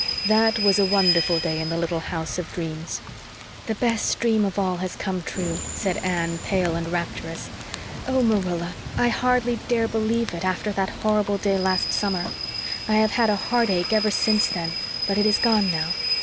That was a wonderful day in the little house of dreams. "The best dream of all has come true," said Anne, pale and rapturous. "Oh, Marilla, I hardly dare believe it, after that horrible day last summer. I have had a heartache ever since then but it is gone now."